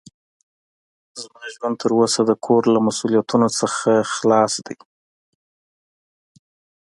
زما ژوند تر اوسه د کور له مسوؤليتونو څخه خلاص ده.